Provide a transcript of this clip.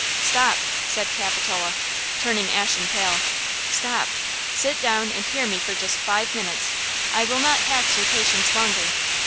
"Stop!" said Capitola, turning ashen pale. "Stop–sit down and hear me for just five minutes–I will not tax your patience longer."